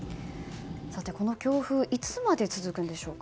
この強風はいつまで続くんでしょうか。